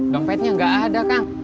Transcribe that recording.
dompetnya gak ada kang